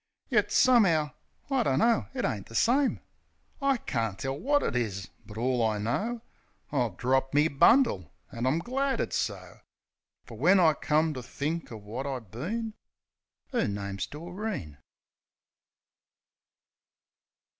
Yet some'ow ... I dunno. It ain't the same. I carn't tell wot it is ; but, all I know, I've dropped me bundle — an' I'm glad it's so. Fer when I come ter think uv wot I been. ,.. 'Er name's Doreen.